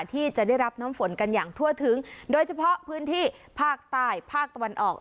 ที่จะได้รับน้ำฝนกันอย่างทั่วถึงโดยเฉพาะพื้นที่ภาคใต้ภาคตะวันออก